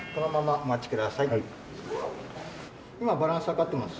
今バランス測ってます。